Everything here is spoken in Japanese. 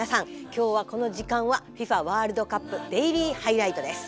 今日は、この時間は「ＦＩＦＡワールドカップデイリーハイライト」です。